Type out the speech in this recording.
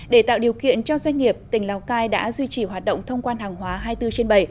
để tạo điều kiện cho doanh nghiệp tỉnh lào cai đã duy trì hoạt động thông quan hàng hóa hai mươi bốn trên bảy